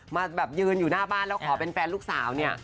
มาแบบยืนอยู่หน้าบ้านแล้วขอเป็นแฟนลูกสาวเนี่ย